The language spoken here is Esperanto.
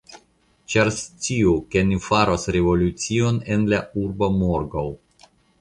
Ĉar sciu, ke ni faros revolucion en la urbo morgaŭ.